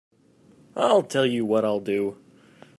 I'll tell you what I'll do.